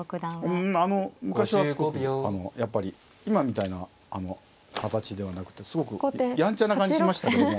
うんあの昔はすごくやっぱり今みたいな形ではなくてすごくやんちゃな感じしましたけどね。